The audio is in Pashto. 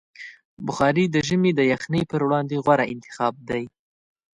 بخاري د ژمي د یخنۍ پر وړاندې غوره انتخاب دی.